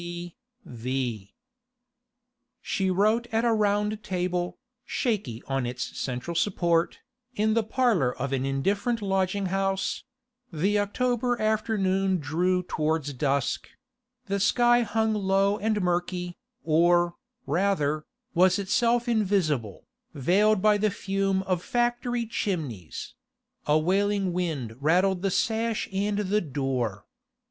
C. V.' She wrote at a round table, shaky on its central support, in the parlour of an indifferent lodging house; the October afternoon drew towards dusk; the sky hung low and murky, or, rather, was itself invisible, veiled by the fume of factory chimneys; a wailing wind rattled the sash and the door.